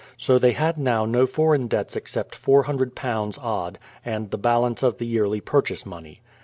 So they had now no foreign debts except £400, odd, and the balance of the yearly purchase money.